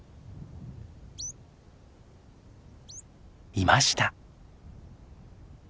いました！